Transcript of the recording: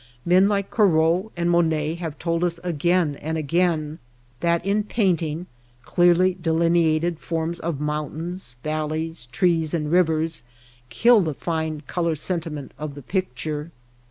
Men like Corot and Monet have told us, again and again, that in painting, clearly delineated forms of mountains, valleys, trees, and rivers, kill the fine color sentiment of the picture.